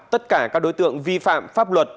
tất cả các đối tượng vi phạm pháp luật